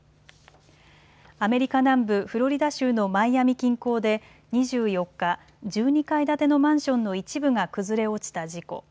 アメリカ南部フロリダ州のマイアミ近郊で２４日、１２階建てのマンションの一部が崩れ落ちた事故。